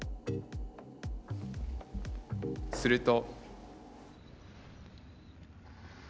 すると。